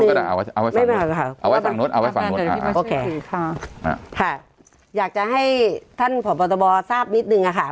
เอาไว้ฟังหนุดอยากจะให้ท่านพบทราบนิดนึงค่ะ